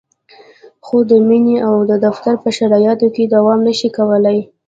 خو د مینې او د دفتر په شرایطو کې دوام نشي کولای.